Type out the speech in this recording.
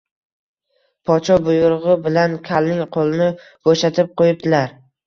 Podsho buyrug‘i bilan kalning qo‘lini bo‘shatib qo‘yibdilar